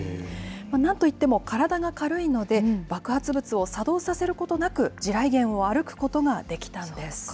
なんといっても体が軽いので、爆発物を作動させることなく、地雷原を歩くことができたんです。